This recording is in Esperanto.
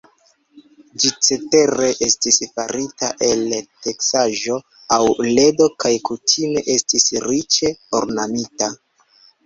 Ĝi cetere estis farita el teksaĵo aŭ ledo kaj kutime estis riĉe ornamita.